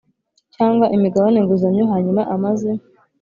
cyangwa imigabane nguzanyo hanyuma amaze